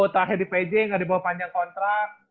terakhir di pajeng gak dibawa panjang kontrak